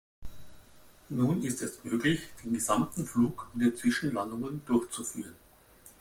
Nun ist es möglich, den gesamten Flug ohne Zwischenlandungen durchzuführen.